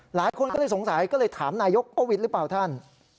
หลายคนก็เลยสงสัยก็เลยถามนายกประวิทย์หรือเปล่าท่าน